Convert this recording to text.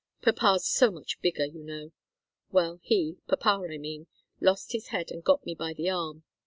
Papa's so much bigger, you know. Well, he papa, I mean lost his head and got me by the arm.